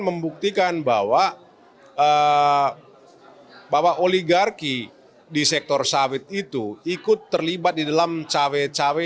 membuktikan bahwa oligarki di sektor sawit itu ikut terlibat di dalam cawe cawe